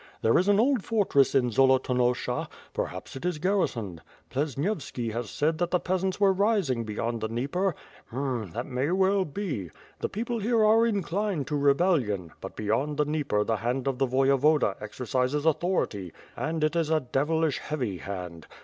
There is an old fortress in Zolotonosha; perhaps it is garrisoned. Plesnievski has said that the i)easants were ris ing beyond the Dnieper; Il'm! that may well be; the people here are inclined to rebellion, but beyond the Dnieper the hand of the Voyevoda exercises authority; and it is a devilish heavy hand.